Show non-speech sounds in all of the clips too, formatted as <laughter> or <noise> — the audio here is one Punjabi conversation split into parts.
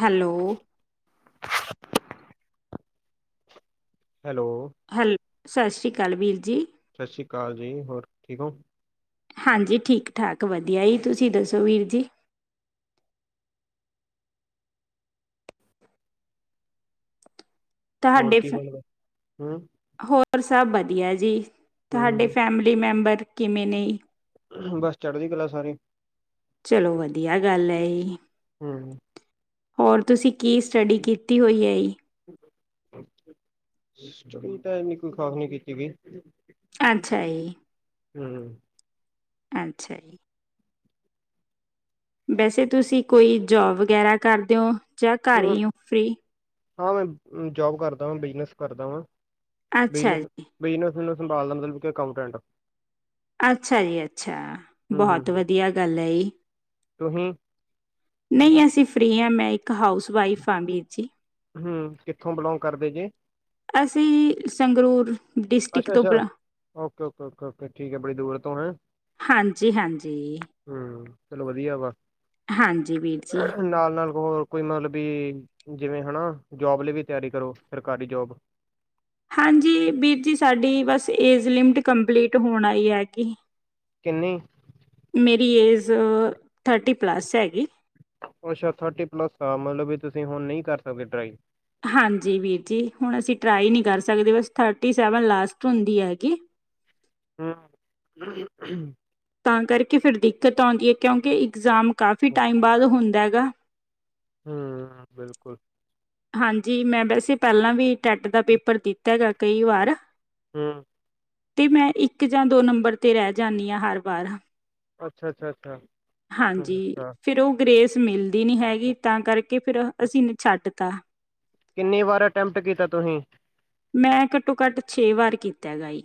ਹੈਲੋ ਹੈਲੋ ਹੈਲ ਸਤਿ ਸ਼੍ਰੀ ਅਕਾਲ ਵੀਰ ਜੀ। ਸਤਿ ਸ੍ਰੀ ਅਕਾਲ ਜੀ ਹੋਰ ਠੀਕ ਹੋ? ਹਾਂਜੀ ਠੀਕ ਠਾਕ ਵਧੀਆ ਜੀ ਤੁਸੀਂ ਦੱਸੋ ਵੀਰ ਜੀ ਹੋਰ ਤੁਹਾਡੇ ਕੀ ਫੋਨ ਬਣਦਾ? ਹੂੰ, ਹੋਰ ਸਭ ਵਧੀਆ ਵਧੀਆਂ ਜੀ ਤੁਹਾਡੇ ਹੂੰ, ਫੈਮਿਲੀ ਮੈਂਬਰ ਕਿਵੇਂ ਨਹੀਂ ਬਸ ਚੜਦੀ ਕਲਾ ਸਾਰੀ। ਚਲੋ ਵਧੀਆ ਗੱਲ ਹੈ ਏਹੇ। ਹਮ। ਹੋਰ ਤੁਸੀਂ ਕੀ ਸਟੱਡੀ ਕੀਤੀ ਹੋਈ ਹੈ ਏ। ਸਟੑਡੀ ਤਾਂ ਇੰਨੀ ਕੋਈ ਖਾਸ਼ ਨਹੀ ਕੀਤੀ ਗਈ। ਅੱਛਾ ਜੀ। ਹੂੰ ਅੱਛਾ ਜੀ। ਵੈਸੇ ਤੁਸੀਂ ਕੋਈ ਜੋਬ ਵਗੈਰਾ ਕਰਦੇ ਹੋ? ਜਾਂ ਘਰ ਹੂੰ, ਈ ਹੋ ਫ੍ਰੀ? ਹਾਂ ਮੈਂ ਜੋਬ ਕਰਦਾ ਵਾ, ਬਿਜਨਸ ਕਰਦਾ ਵਾਂ। ਅੱਛਾ ਬਿਜਨਸ, ਜੀ ਬਿਜਨਸ। ਨੂੰ ਸੰਭਾਲ ਲੈੰਦਾ ਬੂਗੇ ਅਕਾਊਂਟੈਂਟ <inaudible> ਅੱਛਾ ਜੀ, ਅੱਛਾ ਹੂੰ, ਹੂੰ, ਬਹੁਤ ਹੂੰ। ਵਧੀਆ ਗੱਲ ਹੈ ਈ। ਤੁਸੀਂ ਨਹੀਂ ਅਸੀਂ ਫ੍ਰੀ ਹਾਂ ਮੈਂ ਈ ਇੱਕ ਹਾਊਸ ਵਈਫ ਹਾ ਵੀਰ ਜੀ। ਹੂੰ ਕਿੱਥੋਂ ਬਿਲੋਂਗ ਕਰਦੇ ਜੇ? ਅਸੀਂ ਸੰਗਰੂਰ ਅੱਛਾ, ਡਿਸਟ੍ਰਿਕਟ ਤੋਂ ਅੱਛਾ, ਬਲਾ ਔਕੇ, ਔਕੇ, ਔਕੇ, ਔਕੇ ਠੀਕ ਹੈ ਬੜੀ ਦੂਰ ਤੋਂ ਹੈ। ਹਾਂਜੀ ਹਾਂਜੀ ਹੈ ਚਲੋ ਵਧੀਆ ਵਾ। ਹਾਂਜੀ ਵੀਰ ਜੀ। ਨਾਲ-ਨਾਲ ਹੋਰ ਕੋਈ ਮਲਬ ਵੀ ਜਿਵੇਂ ਹੈਨਾ ਜੋਬ ਲਈ ਵੀ ਤਿਆਰੀ ਕਰੋ ਸਰਕਾਰੀ ਜੋਬ। ਹਾਂਜੀ ਵੀਰ ਜੀ ਸਾਡੀ ਬਸ ਏਜ ਲਿਮਿਟ ਕੰਪਲੀਟ ਹੋਣ ਆਈ ਹੈ ਕਿ ਕਿੰਨੀ? ਮੇਰੀ ਏਜ ਥਰਟੀ ਪਲੱਸ ਹੈਗੀ। ਅੱਛਾ ਥਰਟੀ ਪਲੱਸ ਆ ਮਲਬ ਵੀ ਤੁਸੀਂ ਹੁਣ ਨਹੀਂ ਕਰ ਸਕਦੇ ਟਰਾਈ। ਹਾਂਜੀ ਵੀਰ ਜੀ ਹੁਣ ਅਸੀਂ ਟਰਾਈ ਨਹੀਂ ਕਰ ਸਕਦੇ ਬਸ ਥਰਟੀ ਸੈਵਨ ਲਾਸਟ ਹੁੰਦੀ ਹੈਗੀ। ਹੂੰ ਤਾਂ ਕਰਕੇ ਫਿਰ ਦਿੱਕਤ ਆਉਂਦੀ ਹੈ ਕਿਉਂਕਿ ਇਗਜ਼ਾਮ ਕਾਫੀ ਟਾਈਮ ਬਾਅਦ ਹੁੰਦਾ। <unintelligible> ਹੂੰੰ, ਬਿਲਕੁਲ। ਹਾਂਜੀ ਮੈਂ ਵੈਸੇ ਪਹਿਲਾਂ ਵੀ ਟੈਟ ਦਾ ਪੇਪਰ ਦਿੱਤਾ ਦਾ ਕਈ ਵਾਰ। ਹੁੰ ਤੇ ਮੈਂ ਇੱਕ ਜਾਂ ਦੋ ਨੰਬਰ ਤੇ ਰਹਿ ਜਾਂਣੀ ਹਾਂ ਹਰ ਵਾਰ। ਅੱਛਾ-ਅੱਛਾ, ਅੱਛਾ-ਅੱਛਾ। ਸਮਿਲ ਦੀ ਨਹੀਂ ਹੈਗੀ ਤਾਂ ਕਰਕੇ ਫਿਰ ਅਸੀਂ ਇਹਨੂੰ ਛੱਡ ਤਾ। ਕਿੰਨੀ ਵਾਰ ਅਟੈਂਪਟ ਕੀਤਾ ਤੁਹੀ। ਮੈਂ ਘੱਟੋ-ਘੱਟ ਛੇ ਵਾਰ ਕੀਤਾ ਗਾਈ।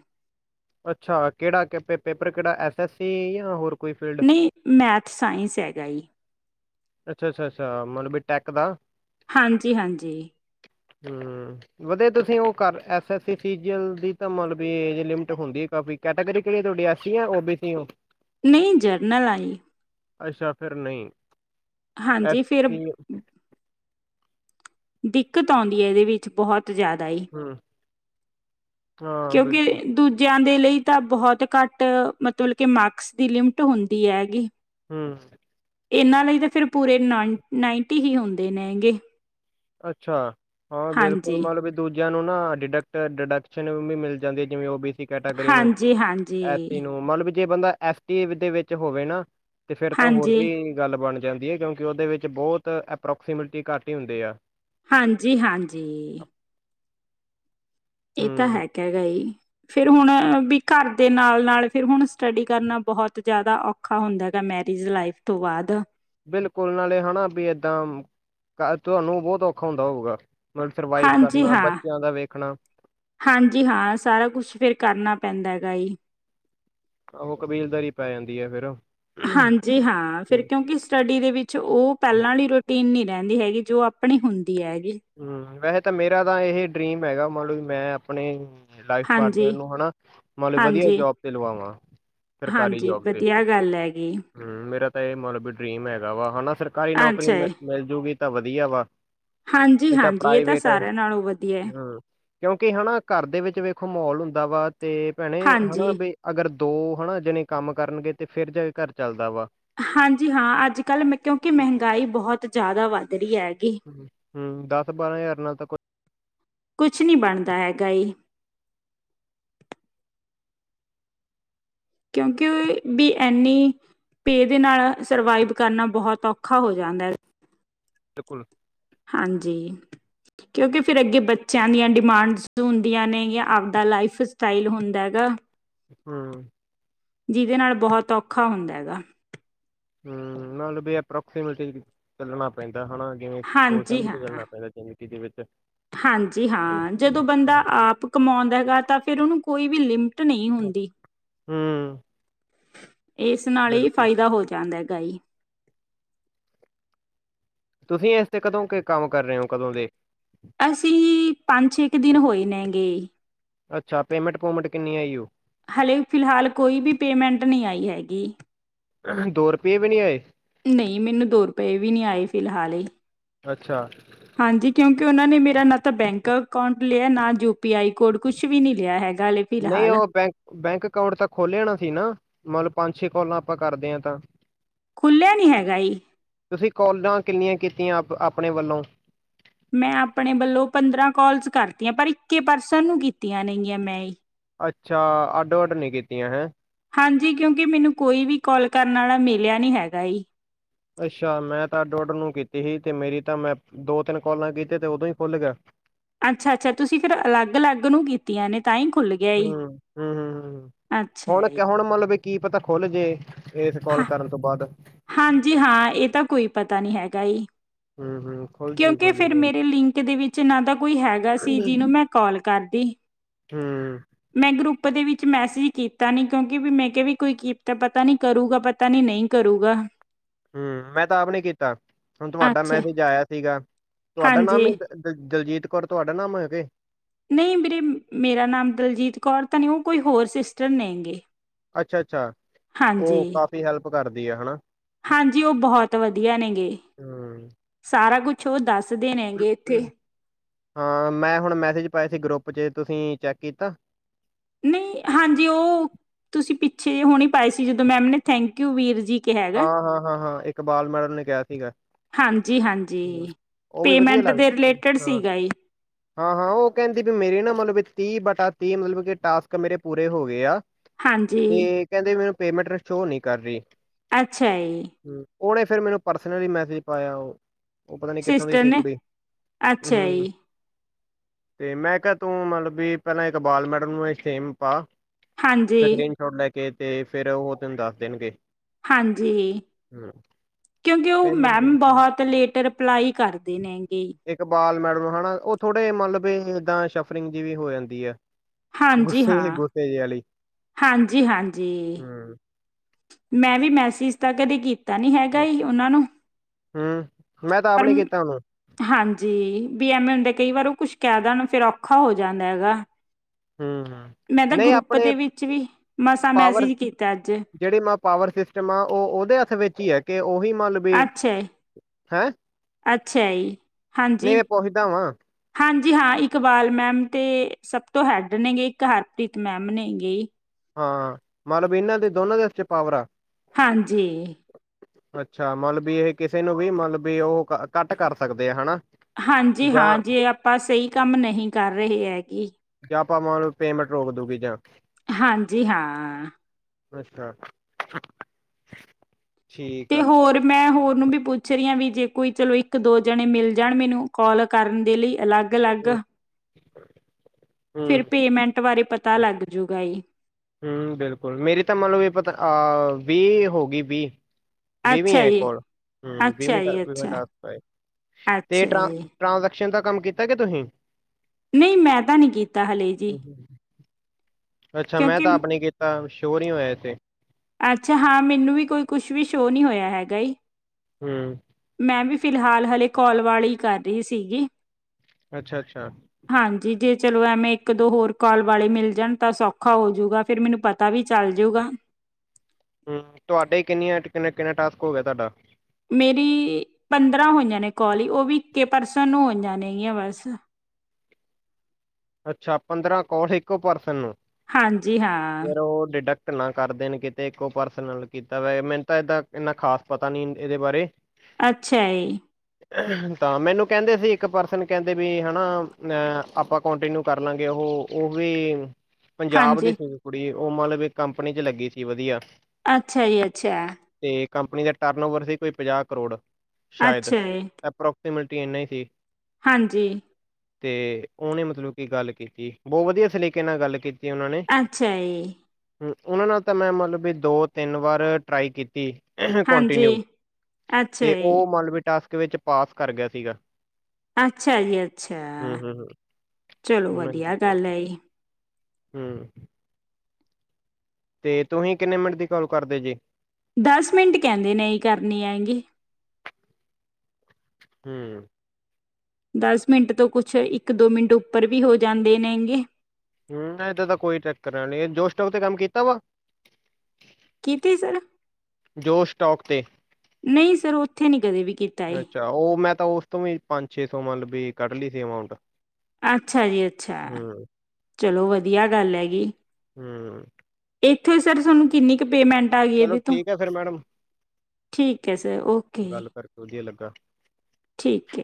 ਅੱਛਾ, ਕਿਹੜਾ ਕਿ ਪੇਪਰ ਕਿਹੜਾ ਐਸ ਐਸ ਸੀ ਯਾ ਹੋਰ ਕੋਈ ਫੀਲਡ ਨਹੀਂ ਮੈਥ, ਸਾਇੰਸ ਹੈਗਾ ਹੀ। ਅੱਛਾ-ਅੱਛਾ, ਅੱਛਾ ਮਤਲਬ ਵੀ ਟੈਕ ਦਾ। ਹਾਂਜੀ-ਹਾਂਜੀ। ਹੁੰ, ਵਧੀਆ ਤੁਸੀਂ ਉਹ ਕਰ ਐਸਐਸਈ ਚ <unintelligible> ਲਿਮਟ ਹੁੰਦੀ ਕਾਫੀ ਕੈਟਾਗਰੀ ਕਿਹੜੀ ਤੁਹਾ ਐ ਸੀ ਯਾ ਓ ਬੀ ਸੀ ਉਹ? ਨਹੀਂ ਜਰਨਲ ਆਈ। ਅੱਛਾ, ਫਿਰ ਨਹੀ। ਹਾਂਜੀ, ਫਿਰ ਦਿੱਕਤ ਆਉਂਦੀ ਹੈ ਇਹਦੇ ਵਿੱਚ ਬਹੁਤ ਜਾਦਾ ਈ। ਹੂੰ ਹਾਂ ਕਿਉਂਕਿ ਬਿਲਕੁਲ ਦੂਜਿਆਂ ਦੇ ਲਈ ਤਾਂ ਬਹੁਤ ਘੱਟ ਮਤਲਬ ਕੇ ਮਾਰਕਸ ਦੀ ਲਿਮਿਟ ਹੁੰਦੀ ਹੈਗੀ। ਹੁੰ ਇਹਨਾਂ ਲਈ ਤਾਂ ਫਿਰ ਪੂਰੇ ਨ ਨਾਈਟੀ ਹੀ ਹੁੰਦੇ ਨੇ ਹੈਗੇ। ਅੱਛਾ। ਹਾਂ, ਬਿਲਕੁਲ ਮਤਲਬ ਵੀ ਦੂ ਬਚਿਆ ਨੂੰ ਨਾ ਡਿਡਕਟ ਡਿਡਕਸ਼ਨ ਵੀ ਮਿਲ ਜਾਂਦੀ ਹੈ ਜਿਵੇਂ ਓ ਬੀ ਕੈਟਾਗਰੀ ਨੂੰ ਹਾਂਜੀ-ਹਾਂਜੀ, ਐ ਸੀ ਹਾਂਜੀ। ਨੂੰ ਮਲਬ ਜੇ ਬੰਦਾ ਐਸ ਟੀ ਏ ਦੇ ਵਿੱਚ ਹੋਵੇ ਨਾ ਤੇ ਫੇਰ ਤਾਂ ਹੋਰ ਵੀ ਹਾਂਜੀ ਗੱਲ ਬਣ ਜਾਂਦੀ ਹੈ ਕਿਉਂਕਿ ਉਹਦੇ ਵਿੱਚ ਬਹੁਤ ਅਪਰੋਕਸੀਮਿਟੀ ਘੱਟ ਹੀ ਹੁੰਦੇ ਆ ਹਾਂਜੀ, ਹਾਂਜੀ ਇਹ ਤਾਂ ਹੂੰ, ਹੈਕ ਹੈਗਾ ਈ ਫਿਰ ਹੁਣ ਵੀ ਘਰ ਦੇ ਨਾਲ ਨਾਲ ਫਿਰ ਹੁਣ ਸਟੱਡੀ ਕਰਨਾ ਬਹੁਤ ਜ਼ਿਆਦਾ ਔਖਾ ਹੁੰਦਾ ਗਾ ਮੈਰਿਜ ਲਾਈਫ ਤੋਂ ਬਾਅਦ ਬਿਲਕੁਲ ਨਾਲੇ ਹੈਨਾ ਵੀ ਏਦਾਂ ਤੁਹਾਨੂੰ ਬਹੁਤ ਔਖਾ ਹੁੰਦਾ ਹੋਊਗਾ ਮਤਲਬ ਸਰਵਾਈਵ ਹਾਂਜੀ ਕਰਨਾ ਹਾਂ, ਬੱਚਿਆਂ ਦਾ ਵੇਖਣਾ ਹਾਂਜੀ ਹਾਂ ਸਾਰਾ ਕੁਛ ਫੇਰ ਕਰਨਾ ਪੈਂਦਾ ਗਾਈ ਆਹੋ ਕਬੀਲਦਾਰੀ ਪੈ ਜਾਂਦੀ ਹੈ ਫਿਰ ਹਾਂਜੀ, ਹਾਂ ਫਿਰ ਹੂੰ ਕਿਉਂਕਿ ਸਟੱਡੀ ਦੇ ਵਿੱਚ ਉਹ ਪਹਿਲਾਂ ਆਲੀ ਰੂਟੀਨ ਨਹੀ ਰਹਿੰਦੀ ਹੈਗੀ ਜੋ ਆਪਣੇ ਹੁੰ ਹਮ ਵੈਸੇ ਤਾਂ ਮੇਰਾ ਤਾਂ ਇਹ ਡਰੀਮ ਹੈਗਾ ਮੰਤਲਬ ਵੀ ਮੈਂ ਆਪਣੇ ਲਾਈਫ ਹਾਂਜੀ, ਪਾਰਟਨ ਨੂੰ ਹਨਾ ਮੰ ਵਧੀਆ ਹਾਂਜੀ, ਜੋਬ ਤੇ ਲਵਾ ਵਾਂ ਸਰਕਾਰੀ ਹਾਂਜੀ ਜੋਬ ਤੇ ਵਧੀਆ ਗੱਲ ਹੈਗੀ। ਹਮ ਮੇਰਾ ਤਾਂ ਇਹ ਮਤਲਬ ਵੀ ਡਰੀਮ ਹੈਗਾ ਵਾ ਹਨਾ਼। ਸਰਕਾਰੀ ਨੌਕਰੀ ਅੱਛਾ ਮਿਲਜੂਗੀ ਤਾਂ ਵਧੀ ਵਧੀਆ ਵਾ ਹਾਂਜੀ, ਨਹੀਂ ਹਾਂਜੀ ਇਹ ਤਾਂ ਪ੍ਰਾਈਵੇਟ ਸਾਰਿਆਂ ਨਾਲੋਂ ਵਧੀਆ ਹੈ਼। ਹੂੰ, ਕਿਉਂਕਿ ਹਨਾ ਘਰ ਦੇ ਵਿੱਚ ਵੇਖੋ ਮਾਹੌਲ ਹੁੰਦਾ ਵਾ ਤੇ ਭੈਣੇ ਹਨਾ ਹਾਂਜੀ। ਬ ਅਗਰ ਦੋ ਹਨਾ ਜਿਣੇ ਕੰਮ ਕਰਨਗੇ ਤੇ ਫੇਰ ਜਾ ਘਰ ਚੱਲਦਾ ਵਾ। ਹਾਂਜੀ ਹਾਂ ਅੱਜ ਕੱਲ੍ਹ ਮ ਕਿਉਂਕਿ ਮਹਿੰਗਾਈ ਬਹੁਤ ਜ਼ਿਆਦਾ ਵੱਧ <unintelligible> ਹਮ ਦਸ ਬਾਰਾਂ ਹਜ਼ਾਰ ਨਾਲ ਤਾਂ ਕੋ ਕੁਛ ਨਹੀਂ ਬਣਦਾ ਹੈਗਾ। ਕਿਉਂਕਿ ਵੀ ਐਨੀ ਪੇ ਦੇ ਨਾਲ ਸਰਵਾਈਵ ਕਰਨਾ ਬਹੁਤ ਔਖਾ ਹੋ ਜਾਂਦਾ ਹੈ। <unintelligible> ਹਾਂਜੀ, ਕਿਉਂਕਿ ਫਿਰ ਅੱਗੇ ਬੱਚਿਆਂ ਦੀਆਂ ਡਿਮਾਂਡਸ ਹੁੰਦੀਆਂ ਨੇ ਜਾਂ ਆਪਦਾ ਲਾਈਫ ਸਟਾਈਲ ਹੁੰਦਾ ਹੈਗਾ। ਹਮ਼਼। ਜਿਹਦੇ ਨਾਲ ਬਹੁਤ ਔਖਾ ਹੁੰਦਾ ਹੈਗਾ। ਹਮ ਨਾਲਬ ਵੀ ਅਪਰੋਕਸੀਮੇਲੀ ਚੱਲਣਾਊ ਪੈ ਹਾਂ ਹਾ ਜਿਵੇਂ ਸੋਚ ਹਾਂਜੀ ਸਮਝ ਕੇ ਹਾਂ ਚੱਲਣਾ ਪੈਂਦਾ ਜਿਵੇਂ ਦੇ ਵਿੱਚ ਹਾਂਜੀ ਹਾਂ ਜਦੋਂ ਬੰਦਾ ਆਪ ਕਮਾਉਂਦਾ ਹੈਗਾ ਤਾਂ ਫੇਿਰ ਉਹਨੂੰ <unintelligible> ਕੋਈ ਵੀ ਲਿੰਮ ਟ ਨਹੀਂ ਹੁੰਦੀ। ਹੂੰ। <inaudible> ਇਸ ਨਾਲ ਇਹ ਬਿਲਕੁਲ, ਫਾਇਦਾ ਹੋ ਜਾਂਦਾ ਹੈ। ਗਾਈ ਤੁਸੀਂ ਇਸ ਤੇ ਕਦੋਂ ਕੇ ਕੰਮ ਕਰ ਰਹੇ ਹੋ ਕਦੋਂ ਦੇ? ਅਸੀਂ ਪੰਜ, ਛੇ ਕੁ ਦਿਨ ਹੋਏ ਨੇਗੇ। ਅੱਛਾ, ਪੇਮੈਂਟ ਪੂਮੈਂਟ ਕਿੰਨੀ ਆ ਯੂ ਹਲੇੇ ਫਿਲਹਾਲ ਕੋਈ ਵੀ ਪੇਮੈਂਟ ਨਹੀਂ ਆਈ ਹੈਗੀ। ਦੋ ਰੁਪਏ ਵੀ ਨਹੀਂ ਆਏ? ਨਹੀਂ ਮੈਨੂੰ ਦੋ ਰੁਪਏ ਵੀ ਨਹੀਂ ਆਏ ਫਿਲਹਾਲ ਹੀ। ਅੱਛਾ। ਹਾਂਜੀ ਕਿਉਂਕਿ ਉਹਨਾਂ ਨੇ ਮੇਰਾ ਨ ਤਾਂ ਬੈਕ ਅਕਾਊਂਟਾਂ ਲਈ ਇਹ ਨਾਜੂਕ ਨਹੀ ਫਿਲਹਾਲ ਉਹ ਬੈਕ ਬੈਕ ਅਕਾਊਂਟ ਤਾਂ ਖੋਲ ਆਣਾ ਸੀ ਨਾ ਮਤਲਬ ਪੰਜ ਛੇ ਕਾਲਾਂ ਆਪਾਂ ਕਰਦੇ ਹਾਂ ਤਾਂ ਖੁਲ੍ਹੀਆ ਨਹੀ ਹੈਗਾ ਈ ਤੁਸੀਂ ਕਾਲਾਂ ਕਿੰਨੀਆਂ ਆਪਣੇ ਵੱਲੋਂ ਮੈਂ ਆਪਣੇ ਵੱਲੋ ਪੰਦਰਾਂ ਕੋਲਸ ਕਰਤੀਆਂ ਪਰ ਇਕੇ ਪਰਸਨ ਨੂੰ ਕੀਤੀਆਂ ਗੀਆਂ ਮੈ ਅੱਛਾ ਅੱਡੋ ਅੱਡ ਨਹੀ ਕੀਤੀਆਂ ਹੈਂ। ਹਾਂਜੀ ਕਿਉ ਕਿ ਮੈਨੂੰ ਕੋਈ ਵੀ ਕੋਲ ਕਰਨ ਵਾਲਾ ਮਿਲਿਆ ਨਹੀ ਹੈਗਾ ਈ ਅੱਛਾ ਮੈਂ ਤਾਂ ਡੁਡ ਨੂੰ ਕੀਤੀ ਸੀ ਤੇ ਮੇਰੀ ਤਾਂ ਮੈਂ ਦੋ ਤਿੰਨ ਕਲਾਂ ਕੀਤੀ ਤੇ ਉਦੋ ਹੀ ਫੁਲ ਕਰ ਦੀਤੀ। ਅੱਛਾ- ਅੱਛਾ। ਤੁਸੀ ਫਿਰ ਅਲਗ- ਅਲਗ ਨੂੰ ਕੀਤੀਆਂ ਨੇ ਤਾਂ ਹੀ ਖੁੱਲ ਗਿਆ ਹੂ- ਈ ਹੂ -ਹੂ ਅੱਛਾ ਹੁਣ ਈ ਹੁਣ ਮਤਲਬ ਇਹ ਕੀ ਪਤਾ ਖੁੱਲ ਗਏ ਹਾਂ ਹਾਂਜੀ ਹਾਂ ਇਹ ਤਾਂ ਕੋਈ ਪਤਾ ਤਾਂ ਨਹੀ ਹੈਗਾ ਇ। ਹੂੰ। ਹੂੰ ਖੁੱਲ ਕਿਉ ਜੂ ਕਿ ਖੁੱਲ ਜੂ ਫਿਰ ਕੋਈ ਮੇਰੇ ਲਿੰਕ ਦੇ ਵਿਚ ਨਾ ਤਾਂ ਕੋਈ ਹੈਗਾ ਸੀ ਨੀ। ਜਿਹਨੂੰ ਮੈਂ ਕਾਲ ਕਰਦੀ ਹੂੰ, ਮੈ ਗਰੁੱਪ ਉਦੇ ਵਿੱਚ ਮੈਸੇਜ ਕੀਤਾ ਨੀ ਕਿਉਂਕਿ ਮੈ ਕਿਹਾ ਕੋਈਤ ਪਤਾ ਨੀ ਕਰੂਗਾ ਪਤਾ ਨੀ ਨਹੀ ਕਰੂਗਾ। ਹੂ ਮੈਂ ਤਾਂ ਆਪ ਨੀ ਕੀਤਾ ਹੁਣ ਤੁਹਾਡਾ ਅੱਛਾ ਮੈਸੇਜ ਆਇਆ ਸੀਗਾ ਤੁਹਾਡਾ ਨਾਮ ਹਾਂਜੀ। ਦ ਦਲਜੀਤ ਕੌਰ ਤੁਹਾਡਾ ਨਾਮ ਹੈ ਕੇ ਨਹੀ ਮੇਰੇ ਮੇਰਾ ਨਾਮ ਦਲਜੀਤ ਕੌਰ ਤਾਂ ਨਹੀ ਉਹ ਕੋਈ ਹੋਰ ਸਿਸਟਰ ਨੇ ਗੇ। ਅੱਛਾ- ਅੱਛਾ। ਉਹ ਕਾਫੀ ਹੈਲਪ- ਕਰਦੀ ਹੈ ਹਨਾ- ਹਾਂਜੀ ਉਹ ਬਹੁਤ ਵਧੀਆ ਨੇ ਗੇ ਹੂੰ, ਸਾਰਾ ਕੁਛ ਚੂ ਦਸ- ਦੱਸਦੇ ਨੇ ਹੈਗੇ ਇਥੇ- ਹਾਂ ਮੈਂ ਹੁਣ ਮੈਸੇਜ ਪਏ ਸੀ ਗਰੁੱਪ ਚ' ਤੁਸੀ ਚੈਕ ਕੀਤਾ ਨਹੀ ਹਾਂਜੀ ਉਹ ਤੁਸੀ ਪਿੱਛੇ ਹੁਣੀ ਪਾਏ ਸੀ ਜਦੋ ਮੈਮ ਨੇ ਥੈਂਕਯੂ ਵੀਰ ਜੀ। ਕਿਹਾ ਹੈਗਾ। ਹਾਂ- ਹਾਂ- ਹਾਂ- ਹਾਂ ਇੱਕ ਬਾਲ ਮੈਡਲ ਨੇ ਕਿਹਾ ਸੀਗਾ ਹਾਂਜੀ-ਹਾਂਜੀ ਉਹ ਵੀ ਵਧੀਆ ਪੇਮੈਂਟ ਦੇ ਲੱਗਦਾ ਰਿਲੇਟਡ ਹਾਂ। ਸੀਗਾ ਜੀ ਹਾਂ- ਹਾਂ ਉਹ ਕਹਿੰਦੀ ਵੀ ਮੇਰੀ ਨਾ ਮਤਲਬ ਤੀਹ ਬਟਾ ਤੀਹ ਮਤਲਬ ਕਿ ਟਾਸਕ ਮੇਰੇ ਪੂਰੇ ਹੋ ਗਏ ਆ। ਹਾਂਜੀ ਤੇ ਕਹਿੰਦੇ ਮੈਨੂੰ ਪੇਮੈਂਟ ਸ਼ੋਅ ਨੀ ਕਰ ਰਹੀ। ਅੱਛਾ ਈ ਹਮ, ਉਹਨੇ ਫਿਰ ਮੈਨੂੰ ਪਰਸਨਲੀ ਮੈਸੇਜ ਪਾਇਆ ਉਹ ਉਹ ਪਤਾ ਨੀ ਕਿੱਥੋਂ ਦੀ ਸਿਸਟਰ ਸੀ ਨੇ ਕੁੜੀ ਹਮ ਅੱਛਾ ਹਮ ਜੀ ਤੇ ਮੈਂ ਕਿਹਾ ਤੂੰ ਮਤਲਬ ਵੀ ਪਹਿਲਾਂ ਇੱਕ ਬਾਲ ਮੈਡਲ ਨੂੰ ਸੇਮ ਪਾ ਹਾਂਜੀ ਸਕਰੀਨ ਸ਼ੋਟ ਲੈ ਕੇ ਤੇ ਫੇਿਰ ਉਹ ਤੈਨੂੰ ਦੱਸ ਦੇਣਗੇ ਹਾਂਜੀ! ਹੂੰ ਕਿਉਂਕਿ ਉਹ ਪੇਮੈਂਟ ਦੇ ਮੈਮ ਵਿੱਚ। ਬਹੁਤ ਲੇਟ ਰਿਪਲਾਈ ਕਰਦੇ ਨੇਗੇ ਇਕਬਾਲ ਮੈਡਮ ਹਨਾ ਉਹ ਥੋੜੇ ਮਤਲਬ ਏਦਾਂ ਸ਼ਫਰਿੰਗ ਜ ਵੀ ਹੋ ਜਾਂਦੀ ਹੈ ਹਾਂਜੀ ਹਾਂ! ਹਾਂਜੀ - ਹਾਂਜੀ ਹੂੰ ਮੈਂ ਵੀ ਮੈਸੇਜ ਤਾਂ ਕਦੇ ਕੀ ਤਾ ਨੀ ਹੇਗਾ ਹੀ ਓਨਾ ਨੂ, ਹੂੰ ਮੈਂ ਤਾਂ ਆਪ ਪਰ ਨੀ ਕੀਤਾ ਉਹਨੂੰ ਹਾਂਜੀ ਵੀ ਐਵੇਂ ਹੁੰਦਾ ਕਈ ਵਾਰ ਓ ਕੁਛ ਕਹਿ ਦਣ ਫੇਿਰ ਔਖਾ ਹੋ ਜਾਂਦਾ ਹੈਗਾ ਹੂੰ ਮੈਂ ਤਾਂ ਨਹੀਂ ਗਰੁੱਪ ਆਪਣੇ ਦੇ ਵਿੱਚ ਵੀ ਮਸਾਂ ਪਾਵਰ ਮੈਸੇਜ ਕੀਤਾ ਅੱਜ ਜਿਹੜੇ ਮਾ ਪਾਵਰ ਸਿਸਟਮ ਉਹ ਉਹਦੇ ਹੱਥ ਵਿੱਚ ਹੀ ਹੈ ਕਿ ਉਹੀ ਮੰਨ ਲਓ ਵੀ ਅੱਛਾ ਜੀ ਹੈਂ ਅੱਛਾ ਜੀ ਨਹੀਂ ਹਾਂਜੀ ਮੈਂ ਪੁੱਛਦਾ ਵਾਂ -ਹਾਂਜੀ ਜੀ ਹਾਂ ਇਕਬਾਲ ਮੈਮ ਤੇ ਸਭ ਤੋਂ ਹੈਡ ਨੇ ਗੇ ਇੱਕ ਹਰਪ੍ਰੀਤ ਮੈਮ ਨੇ ਗੇ ਹਾਂ ਮਤਲਬ ਇਹਨਾਂ ਦੇ ਦੋਨਾਂ ਦੇ ਚ ਪਾਵਰ ਆ ਹਾਂਜੀ ਅੱਛਾ ਮਤਲਬ ਵੀ ਇਹ ਕਿਸੇ ਨੂੰ ਵੀ ਮਤਲਬ ਵੀ ਉਹ ਕੱਟ ਕਰ ਸਕਦੇ ਆ ਹਨਾ ਹਾਂਜੀ ਜਾਂ ਹਾਂ ਜੇ ਆਪਾਂ ਸਹੀ ਕੰਮ ਨਹੀਂ ਕਰ ਰਹੇ ਹੈਗੇ ਜਾਂ ਆਪਾਂ <unintelligible> ਪੇਮੈਂਟ ਰੋਕ ਦੂਗੀ ਜਾਂ ਹਾਂਜੀ ਹਾਂ ਅੱਛਾ ਠੀਕ ਤੇ ਆ ਹੋਰ ਮੈਂ ਹੋਰ ਨੂੰ ਵੀ ਪੁੱਛ ਰਹੀ ਹਾਂ ਵੀ ਜੇ ਕੋਈ ਚਲੋ ਇੱਕ ਦੋ ਜਣੇ ਮਿਲ ਜਾਣ ਮੈਨੂੰ ਕਾਲ ਕਰਨ ਦੇ ਲਈ ਅਲੱਗ ਅਲੱਗ ਹੂੰ ਹੂੰ ਫਿਰ ਪੇਮੈਂਟ ਬਾਰੇ ਪਤਾ ਪਤਾ ਲੱਗ ਜਾੂਗਾ ਨਹੀਂ ਹਮ ਬਿਲਕੁਲ ਮੇਰੀ ਤਾਂ ਮਤਲਬ ਇਹ ਪਤਾ ਅਹ ਵੀਹ ਹੋ ਗਈ ਵੀਹ ਵਿਵੀ ਅੱਛਾ ਹੈਂ ਜੀ ਕੋਲ ਹਮ ਵਿਵੀ ਅੱਛਾ ਜੀ ਅੱਛਾ <unintelligible> ਤੇ ਅੱਛਾ ਜੀ ਟ੍ਰੈਨ ਟ੍ਰਾਂਸ ਸ਼ ਦਾ ਕੰਮ ਕੀਤਾ ਹੈ ਕੀ ਤੁਸੀਂ ਨਹੀਂ ਮੈਂ ਤਾਂ ਨਹੀਂ ਕੀਤਾ ਹਲੇ ਜੀ ਅੱਛਾ ਮੈਂ ਕਿਉਂਕਿ ਤਾਂ ਆਪ ਨੀ ਕੀਤਾ ਸ਼ੋ ਨਹੀਂ ਹੋਏ ਏਥੇ ਅੱਛਾ ਹਾਂ ਮੈਨੂੰ ਵੀ ਕੋਈ ਕੁਛ ਵੀ ਸ਼ੋਅ ਨਹੀਂ ਹੋਇਆ ਹੈਗਾ ਹਮ ਮੈਂ ਵੀ ਫਿਲਹਾਲ ਹਾਲੇ ਕੋਾਲ ਵਾਲ ਹੀ ਕਰ ਰਹੀ ਸੀਗੀ ਅੱਛਾ- ਅੱਛਾ ਹਾਂਜੀ ਜੇ ਚਲੋ ਐਵੇਂ ਇੱਕ ਦੋ ਹੋਰ ਕਾਲ ਵਾਲੇ ਮਿਲ ਜਾਣ ਤਾਂ ਸੌਖਾ ਹੋਜੂਗਾ ਫਿਰ ਮੈਨੂੰ ਪਤਾ ਵੀ ਚੱਲ ਜੂਗਾ। ਹੂੰ ਤੁਹਾਡੇ ਕਿੰਨੀਆਂ ਕਿੰਨਾ ਕਿੰਨਾ ਟਾਸਕ ਹੋ ਗਿਆ ਤੁਹਾਡਾ ਮੇਰੀ ਪੰਦਰਾਂ ਹੋਈਆਂ ਨੇ ਕੋਲ ਓ ਵੀ ਇੱਕੇ ਪਰਸਨ ਨੂੰ ਹੋਈਆਂ ਨੇਗੀਆਂ ਬਸ ਅੱਛਾ ਪੰਦਰਾਂ ਕੋਲ ਇੱਕੋ ਪਰਸਨ ਨੂੰ ਹਾਂਜੀ ਹਾਂ। ਘਟਨਾ ਕਰਦੇ ਨੇ ਕਿਤੇ ਇੱਕੋ ਪਰਸਨ ਨਾਲ ਕੀਤਾ ਵਾ ਏ ਮੈਨੂੰ ਤਾਂ ਏਦਾ ਐਨਾ ਖਾਸ ਪਤਾ ਨੀ ਏਦੇ ਬਾਰੇ ਅੱਛਾ ਜੀ ਤਾਂ ਮੈਨੂੰ ਕੈਦੇ ਸੀ ਇੱਕ ਪਰਸਨ ਕੈਂਦੇ ਵੀ ਹਨਾ ਅਹ ਆਪਾਂ ਕੰਟੀਨਿਊ ਕਰ ਲਾਂਗੇ ਓਹ ਓ ਵੀ ਪੰਜਾਬ ਦੀ ਹਾਂਜੀ ਸੀਗੀ ਕੁੜੀ ਓ ਮਤਲਬ ਇੱਕ ਕੰਪਨੀ ਚ ਲੱਗੀ ਸੀ ਵਧੀਆ ਅੱਛਾ ਜੀ ਅੱਛਾ। ਤੇ ਕੰਪਨੀ ਦਾ ਟਰਨ ਓਵਰ ਸੀ ਕੋਈ ਪੰਜਾਹ ਕਰੋੜ ਸ਼ਾਇਦ ਅੱਛਾ ਜੀ ਐਪਰੋ ਪੈਮੇਂਟ ਇਨਾ ਹੀ ਸੀ ਹਾਂਜੀ। ਤੇ ਓਨੇ ਮਤਲਬ ਕੀ ਗੱਲ ਕੀਤੀ ਬੋਤ ਵਧੀਆ ਸਲੀਕੇ ਨਾਲ ਗੱਲ ਕੀਤੀ। ਅੱਛਾ ਏ ਓਨਾਂ ਨਾਲ ਤਾਂ ਮੈਂ ਮਤਲਬ ਵੀ ਦੋ ਤਿੰਨ ਵਾਰ ਟਰਾਈ ਕੀਤੀ। ਕੋਂਟੀਨਿਊ ਹਾਂਜੀ। ਅੱਛਾ ਤੇ ਓ ਜੀ ਮੰਨ ਲੋ ਵੀ ਟਾਸ ਇਕ ਵਿੱਚ ਪਾਸ ਕਰ ਗਿਆ ਸੀਗਾ। ਅੱਛਾ ਜੀ ਅੱਛਾ। ਹੂੰ ਹੂੰ ਹੂੰ ਚਲੋ ਉਹਨਾਂ ਦੀ ਵਧੀਆ ਕਾਲ ਗੱਲ ਏ ਹੂੰ ਤੇ ਤੁਹੀ ਕਿੰਨੇ ਮਿੰਟ ਦੀ ਕਾਲ ਕਰਦੇ ਜੇ। ਦਸ ਮਿੰਟ ਕਹਿੰਦੇ ਨੇ ਜੀ ਕਰਨੀ ਆ ਗਈ ਹੂੰ ਦਸ ਮਿੰਟ ਤੋਂ ਕੁੱਛ ਇੱਕ ਦੋ ਮਿੰਟ ਉੱਪਰ ਵੀ ਹੋ ਜਾਂਦੇ ਨੇਗੇ ਹੂੰ ਏਦਾ ਤਾਂ ਕੋਈ ਚੱਕਰ ਨਾ ਨੀ ਜੋਸ਼ਟੋਕ ਤੇ ਕੰਮ ਕੀਤਾ ਵਾ। ਕਿਤੇ ਸਰ ਜੋ ਸਟੋਕ ਤੇ ਨਈ ਸਰ ਓ <unintelligible> ਨੀ ਕਦੇ ਵੀ ਕੀਤਾ ਏ ਅੱਛਾ ਓ ਮੈਂ ਤਾਂ ਓਸ ਤੋਂ ਵੀ ਪੰਜ ਛੇ ਸੌ ਮਤਲਬ ਵੀ ਕੱਢ ਲੀ ਸੀ ਅਮਾਊਂਟ ਅੱਛਾ ਜੀ ਅੱਛਾ ਹੂੰ ਚਲੋ ਵਧੀਆ ਗੱਲ ਹੈਗੀ। ਹੂੰ ਇੱਥੇ ਸਰ ਸੋਨੂੰ ਕਿੰਨੀ ਕੁ ਪੇਮੈਂਟ ਆ ਗਈ ਚਲੋ ਇਹਦੇ ਤੋਂ ਠੀਕ ਆ ਫੇਰ ਮੈਡਮ ਠੀਕ ਹੈ ਸਰ ਓਕੇ ਗੱਲ ਕਰਕੇ ਵਧੀਆ ਲੱਗਾ। ਠੀਕ ਐ